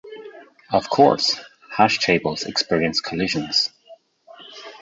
Of course, hash tables experience collisions.